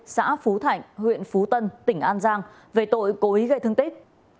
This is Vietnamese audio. xã phú thạnh huyện phú tân tỉnh an giang về tội cố ý gây thương tích